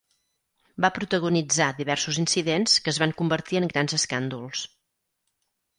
Va protagonitzar diversos incidents que es van convertir en grans escàndols.